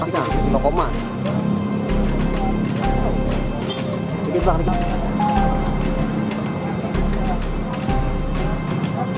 terdapat beberapa bagian